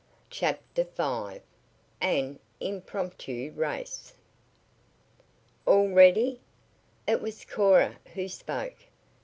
CHAPTER Y AN IMPROMPTU RACE "All ready!" It was Cora who spoke.